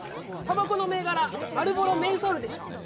たばこの銘柄マールボロメンソールでしょ？